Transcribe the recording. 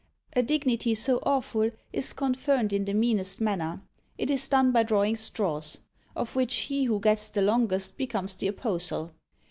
A dignity so awful is conferred in the meanest manner; it is done by drawing straws, of which he who gets the longest becomes the apostle.